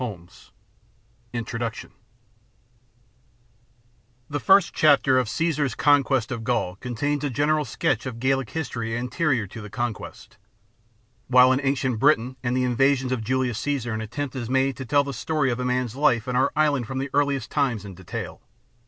. .279 INTRODUCTION The first chapter of Caesar's Conquest of Gaul contains a general sketch of Gallic history anterior to the conquest ; while in Ancient Britain and the Invasions of Julius Caesar an attempt is made to tell the story of man's life in our island from the earliest times in detail.